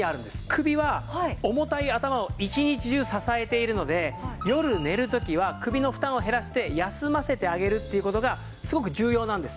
首は重たい頭を一日中支えているので夜寝る時は首の負担を減らして休ませてあげるっていう事がすごく重要なんです。